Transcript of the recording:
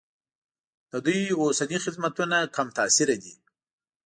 د دوی اوسني خدمتونه کم تاثیره دي.